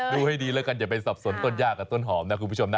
ดูให้ดีแล้วกันอย่าไปสับสนต้นย่ากับต้นหอมนะคุณผู้ชมนะ